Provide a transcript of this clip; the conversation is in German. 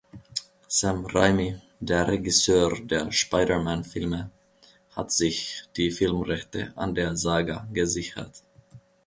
Sam Raimi, der Regisseur der "Spider-Man"-Filme, hat sich die Filmrechte an der Saga gesichert.